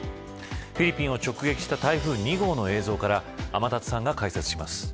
フィリピンを直撃した台風２号の映像から天達さんが解説します。